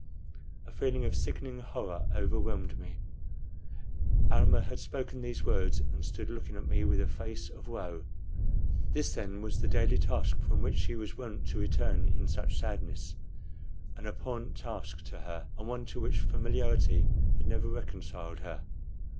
A feeling of sickening horror overwhelmed me. Almah had spoken these words and stood looking at me with a face of woe. This, then, was that daily task from which she was wont to return in such sadness an abhorrent task to her, and one to which familiarity had never reconciled her.